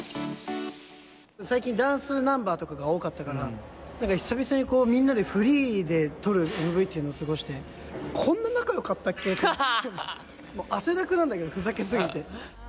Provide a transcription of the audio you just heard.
最近、ダンスナンバーとかが多かったから、なんか久々にみんなでフリーで撮るＭＶっていうのを過ごして、こんな仲よかったっけって、汗だくなんだけど、ふざけ過ぎて。